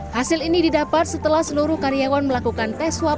hasil ini didapat setelah seluruh karyawan melakukan tes swab